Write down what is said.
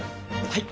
はい！